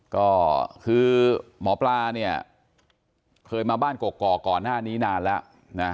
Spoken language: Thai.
ก็คือหมอปลาเนี่ยเคยมาบ้านกกอกก่อนหน้านี้นานแล้วนะ